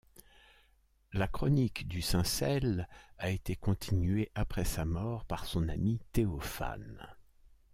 La chronique du Syncelle a été continuée après sa mort par son ami Théophane.